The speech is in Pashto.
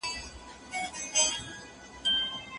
لور او خور بايد د مرکه کوونکو له حالاتو څخه پوره خبره وي.